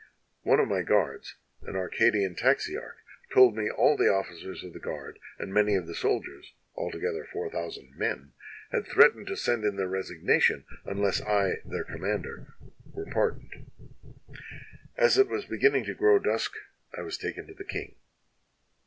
One of my guards, an Arcadian Taxiarch, told me that all the officers of the guard and many of the soldiers (altogether four thousand men) had threatened to send in their resignation, unless I, their commander, were pardoned. "As it was beginning to grow dusk I was taken to the king.